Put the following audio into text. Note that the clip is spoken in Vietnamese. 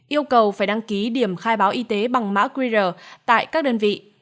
yêu cầu phải đăng ký điểm khai báo y tế bằng mã qr tại các đơn vị